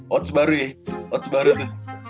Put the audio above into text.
wots baru ya wots baru tuh